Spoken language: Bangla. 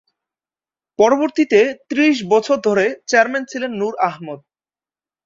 পরবর্তীতে ত্রিশ বছর ধরে চেয়ারম্যান ছিলেন নূর আহমদ।